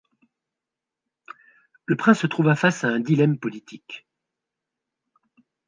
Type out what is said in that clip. Le prince se trouva face à un dilemme politique.